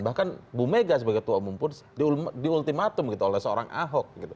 bahkan bu mega sebagai ketua umum pun di ultimatum oleh seorang ahok